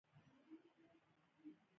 هره ورځ یې جنګي روحیات کمزوري شول.